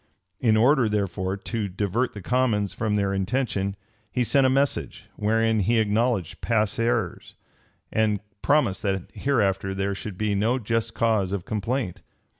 In order, therefore, to divert the commons from their intention, he sent a message, wherein he acknowledged past errors, and promised that hereafter there should be no just cause of complaint.